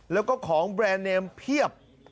แล้วก็ของแบรนด์เนมเพียบ